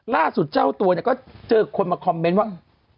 ล่าสุดเจ้าตัวเจอคนมาคอมเม้นต์ว่า